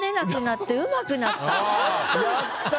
やった。